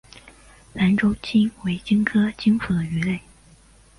兰州鲇为鲇科鲇属的鱼类。